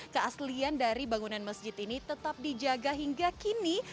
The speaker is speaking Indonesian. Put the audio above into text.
keaslian dari bangunan masjid ini tetap dijaga hingga kini